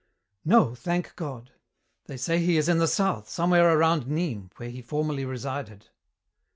"No, thank God. They say he is in the south, somewhere around Nîmes, where he formerly resided."